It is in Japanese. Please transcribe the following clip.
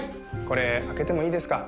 これ開けてもいいですか？